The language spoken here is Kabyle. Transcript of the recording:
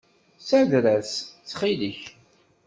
Ssader-as, ttxil-k.